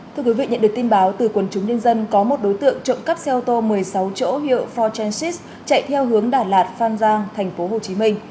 thưa quý vị nhận được tin báo từ quần chúng nhân dân có một đối tượng trộm cắp xe ô tô một mươi sáu chỗ hiệu bốn transits chạy theo hướng đà lạt phan giang tp hcm